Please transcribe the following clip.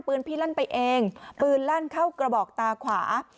พี่ลั่นไปเองปืนลั่นเข้ากระบอกตาขวา